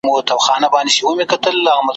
وایی تم سه خاطرې دي راته وایی ,